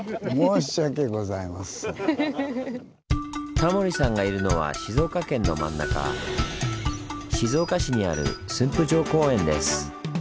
タモリさんがいるのは静岡県の真ん中静岡市にある駿府城公園です。